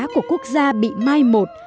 của quốc gia bị mai một